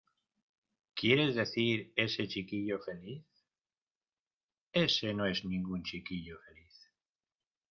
¿ Quieres decir ese chiquillo feliz? Ese no es ningún chiquillo feliz.